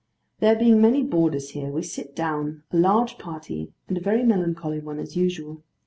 There being many boarders here, we sit down, a large party, and a very melancholy one as usual.